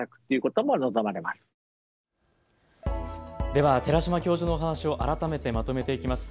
では寺嶋教授のお話を改めてまとめていきます。